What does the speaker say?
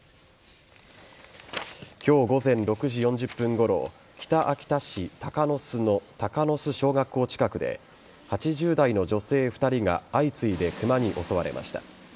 今日午前６時４０分ごろ北秋田市鷹巣の鷹巣小学校近くで８０代の女性２人が相次いでクマに襲われました。